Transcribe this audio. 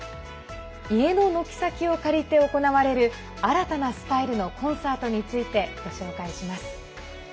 家の軒先を借りて行われる新たなスタイルのコンサートについてご紹介します。